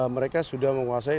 mereka sudah menguasai